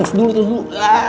terus dulu terus dulu